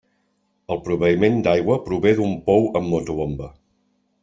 El proveïment d'aigua prové d'un pou amb motobomba.